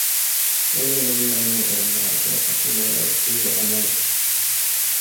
يَا أَيُّهَا الَّذِينَ آمَنُوا أَطِيعُوا اللَّهَ وَأَطِيعُوا الرَّسُولَ وَلَا تُبْطِلُوا أَعْمَالَكُمْ